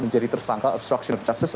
menjadi tersangka obstruction of justice